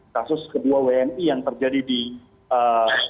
kasus kedua wni yang terjadi di saudi arab saudi arabia